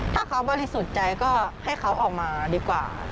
ถ้าเขาบริสุทธิ์ใจก็ให้เขาออกมาดีกว่า